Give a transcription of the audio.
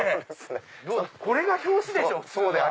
これが表紙でしょ普通は。